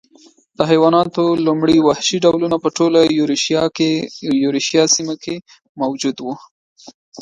د حیواناتو لومړي وحشي ډولونه په ټوله ایرویشیا سیمه کې موجود و